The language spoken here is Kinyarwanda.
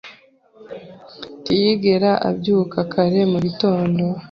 Ntiyigera abyuka kare mu gitondo.